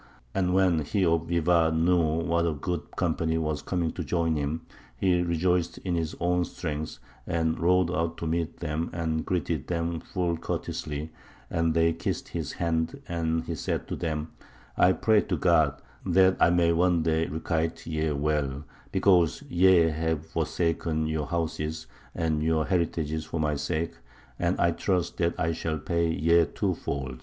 And when he of Bivar knew what a goodly company were coming to join him, he rejoiced in his own strength, and rode out to meet them and greeted them full courteously; and they kissed his hand, and he said to them, I pray to God that I may one day requite ye well, because ye have forsaken your houses and your heritages for my sake, and I trust that I shall pay ye twofold.